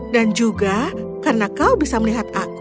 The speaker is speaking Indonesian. dan juga karena kau bisa melihat aku